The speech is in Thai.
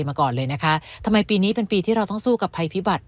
มาก่อนเลยนะคะทำไมปีนี้เป็นปีที่เราต้องสู้กับภัยพิบัติ